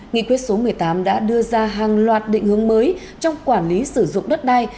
nghị quyết số một mươi tám đã đưa ra hàng loạt định hướng mới trong quản lý sử dụng đất đai